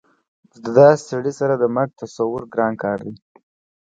د داسې سړي سره د مرګ تصور ګران کار دی